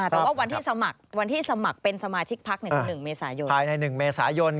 แต่ว่าวันที่สมัครเป็นสมาชิกพักภายในวันที่๑เมษายน